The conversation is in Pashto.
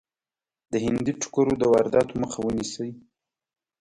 د هندي ټوکرو د وادراتو مخه ونیسي.